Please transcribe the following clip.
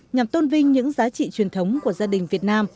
nhằm tôn vinh những giá trị truyền thống của gia đình việt nam